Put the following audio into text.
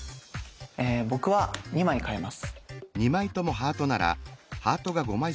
僕は２枚換えます。